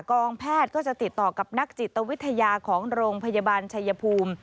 กองแพทย์ก็จะติดต่อกับนักจิตวิทยาของโรงพยาบาลชัยภูมิ